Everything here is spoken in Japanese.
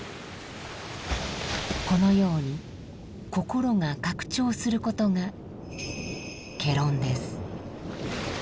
このように心が拡張することが戯論です。